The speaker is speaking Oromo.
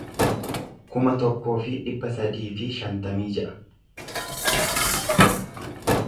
kuma tokkoo fi dhibba sadii fi shantamii ja'a